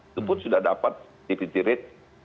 itu pun sudah dapat tipis tipis